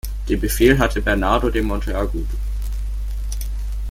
Den Befehl hatte Bernardo de Monteagudo.